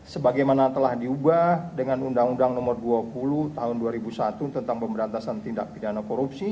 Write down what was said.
sebagaimana telah diubah dengan undang undang nomor dua puluh tahun dua ribu satu tentang pemberantasan tindak pidana korupsi